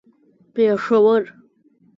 پېښور